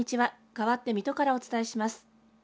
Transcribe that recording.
かわって水戸からお伝えします。